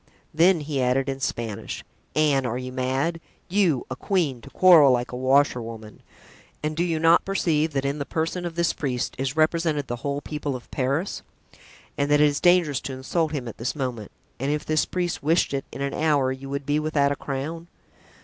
Then he added in Spanish, "Anne, are you mad? You, a queen to quarrel like a washerwoman! And do you not perceive that in the person of this priest is represented the whole people of Paris and that it is dangerous to insult him at this moment, and if this priest wished it, in an hour you would be without a crown?